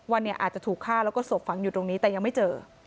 ว่าเนี่ยอาจจะถูกฆ่าแล้วก็ศพฝังอยู่ตรงนี้แต่ยังไม่เจอ